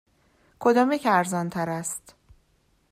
کدامیک ارزان تر است؟